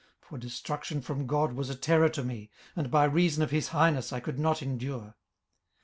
18:031:023 For destruction from God was a terror to me, and by reason of his highness I could not endure.